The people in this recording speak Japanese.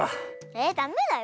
えっダメだよ。